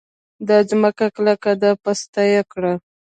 دا ځمکه کلکه ده؛ پسته يې کړه.